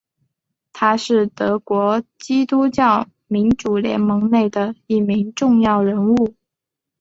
他是德国基督教民主联盟内的一名重要人物。